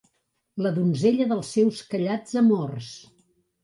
La donzella dels seus callats amors.